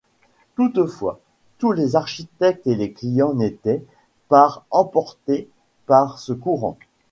Toutefois, tous les architectes et les clients n'étaient par emportés par ce courant.